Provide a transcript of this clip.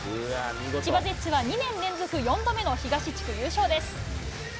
千葉ジェッツは２年連続４度目の東地区優勝です。